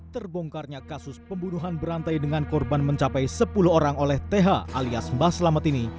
terbongkarnya kasus pembunuhan berantai dengan korban mencapai sepuluh orang oleh th alias mbah selamet ini